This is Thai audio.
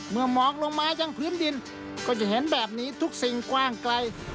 หมอกลงมายังพื้นดินก็จะเห็นแบบนี้ทุกสิ่งกว้างไกล